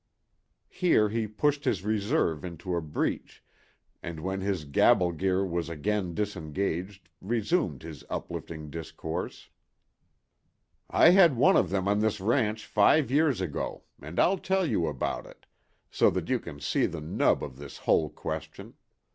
Here he pushed his reserve into the breach and when his gabble gear was again disengaged resumed his uplifting discourse. "I had one of them on this ranch five years ago, and I'll tell you about it, so that you can see the nub of this whole question.